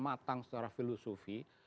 matang secara filosofi